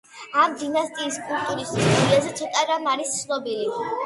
ამ დინასტიის კულტურის ისტორიაზე ცოტა რამ არის ცნობილი.